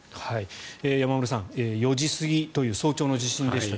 山村さん、４時過ぎという早朝の地震でした。